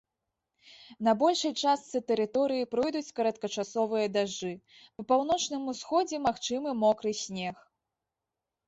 На большай частцы тэрыторыі пройдуць кароткачасовыя дажджы, па паўночным усходзе магчымы мокры снег.